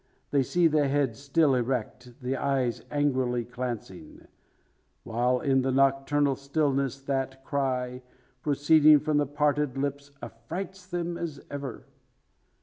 They see the head still erect, the eyes angrily glancing; while in the nocturnal stillness that cry, proceeding from the parted lips, affrights them as ever.